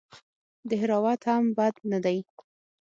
دهراوت هم بد نه دئ.